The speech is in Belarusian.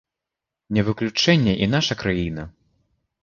Не выключэнне і наша краіна.